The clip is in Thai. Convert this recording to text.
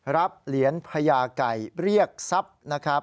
รับเหรียญพญาไก่เรียกทรัพย์นะครับ